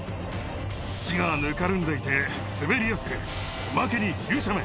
土がぬかるんでいて、滑りやすく、おまけに急斜面。